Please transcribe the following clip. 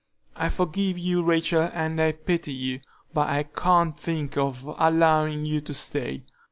I forgive you, Rachel, and I pity you; but I can't think of allowing you to stay.